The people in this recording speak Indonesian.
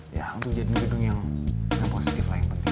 ya untuk jadi gedung yang positif lah yang penting